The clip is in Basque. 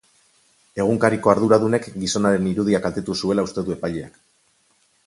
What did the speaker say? Egunkariko arduradunek gizonaren irudia kaltetu zuela uste du epaileak.